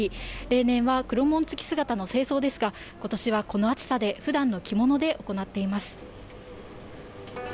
例年は黒紋付き姿の正装ですが、ことしはこの暑さで、ふだんの着物で行っています。